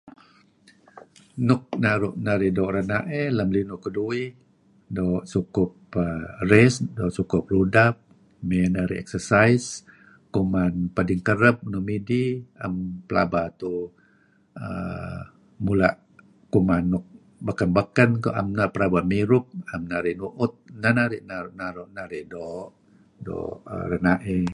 Nuk naru' narih doo' renaey lem linuh keduih doo sukup rest, doo' sukup rudap, may narih exercise, kuman padingkareb nuk midih am pelaba tuuh uhm mula' kuman nuk baken-baken. Naem narih pelaba mirup, naem nrih nuut. Nah nuk naru' narih doo; renaey.